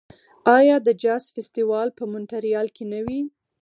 آیا د جاز فستیوال په مونټریال کې نه وي؟